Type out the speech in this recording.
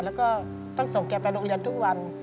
แล้วก็ต้องส่งแกไปโรงเรียนทุกวัน